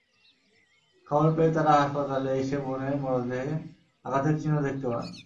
খবর পেয়ে তাঁরা হাসপাতালে এসে বোনের মরদেহে আঘাতের চিহ্ন দেখতে পান।